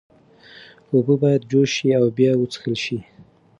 اوبه باید جوش شي او بیا وڅښل شي.